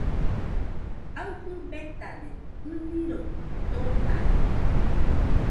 Aɨfɨ betade, ɨniroi dotade